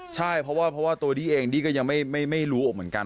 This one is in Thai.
ใช่เพราะว่าตัวดี้เองดี้ก็ยังไม่รู้อีกเหมือนกัน